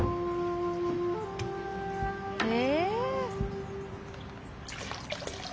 え！